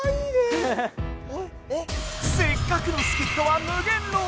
せっかくの助っとは無限牢へ。